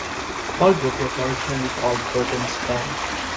Holbrook was originally called Burton's Bend.